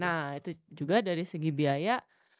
nah itu juga dari segi biaya